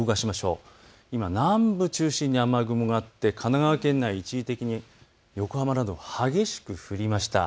南部を中心に雨雲があって神奈川県内、一時的に横浜など激しく降りました。